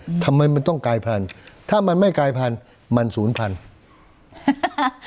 ทำไมมันต้องกลายพันธุ์ถ้ามันไม่กลายพันธุ์มันศูนย์พันธุ์